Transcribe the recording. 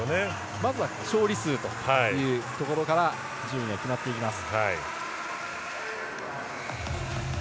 まずは勝利数というところから順位が決まっていきます。